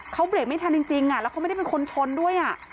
เขาเบรกไม่ทันจริงแล้วเขาไม่ได้เป็นคนชนด้วย